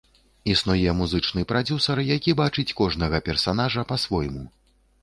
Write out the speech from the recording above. Існуе музычны прадзюсар, які бачыць кожнага персанажа па-свойму.